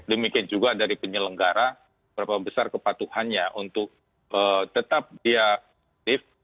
demikian juga dari penyelenggara berapa besar kepatuhannya untuk tetap dia aktif